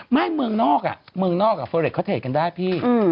ไม่เมืองนอกเมืองนอกเฟอเรดเขาเทกันได้พี่